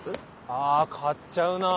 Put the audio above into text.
あ買っちゃうな。